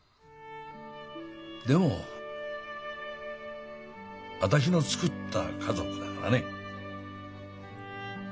でも私のつくった家族だからね。